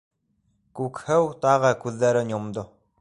Күкһыу тағы күҙҙәрен йомдо: